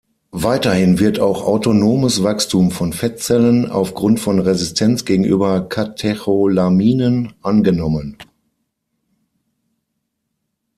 Weiterhin wird auch autonomes Wachstum von Fettzellen aufgrund von Resistenz gegenüber Katecholaminen angenommen.